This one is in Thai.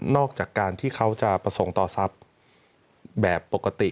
อกจากการที่เขาจะประสงค์ต่อทรัพย์แบบปกติ